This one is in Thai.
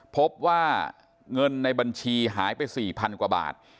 พบว่าเงินในบัญชีหายไป๔๐๐๐กว่าบาท